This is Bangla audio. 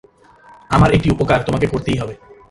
আমার একটি উপকার তোমাকে করতেই হবে।